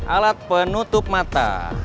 alat penutup mata